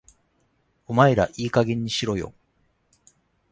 お前らいい加減にしろよ